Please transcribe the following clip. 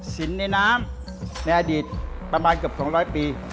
สินในน้ำในอดีตประมาณเกือบ๒๐๐ปี